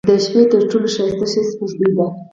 • د شپې تر ټولو ښایسته شی سپوږمۍ ده.